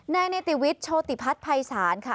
ในเนติวิทย์โชติพัฒน์ภัยศาลค่ะ